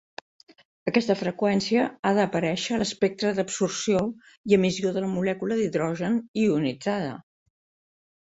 Aquesta freqüència ha d'aparèixer a l'espectre d'absorció i emissió de la molècula d'hidrogen ionitzada.